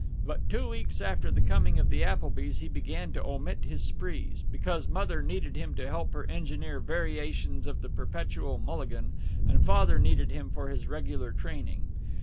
But two weeks after the coming of the Applebys he began to omit his sprees, because Mother needed him to help her engineer variations of the perpetual mulligan, and Father needed him for his regular training.